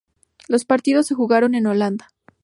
Los partidos se jugaron en Holanda.